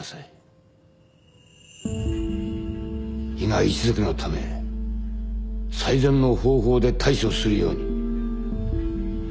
伊賀一族のため最善の方法で対処するように。